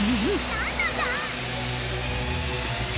なんなんだ！？